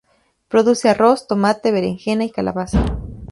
Produce arroz, tomate, berenjena y calabaza.